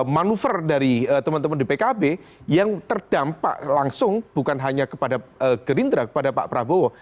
manuver dari teman teman di pkb yang terdampak langsung bukan hanya kepada gerindra kepada pak prabowo